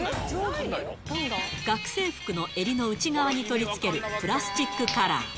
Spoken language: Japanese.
学生服の襟の内側に取り付けるプラスチックカラー。